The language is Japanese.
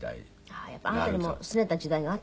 やっぱりあなたにもすねた時代があったんですね。